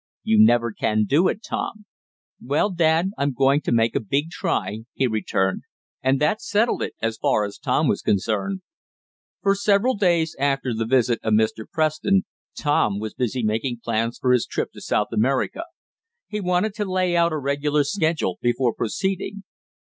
"You never can do it, Tom." "Well dad, I'm going to make a big try!" he returned; and that settled it as far as Tom was concerned. For several days after the visit of Mr. Preston Tom was busy making plans for his trip to South America. He wanted to lay out a regular schedule before proceeding.